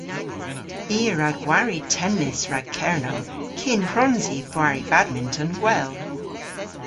I a wra gwari tennis rag Kernow kyn hwrons i gwari badminton gwell.